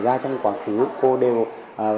để chúng tôi có nhiều cơ hội hơn nữa